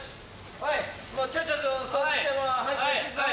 はい！